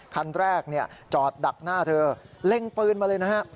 คันแรกจอดดักหน้าเธอเล็งปืนมาเลยนะฮะ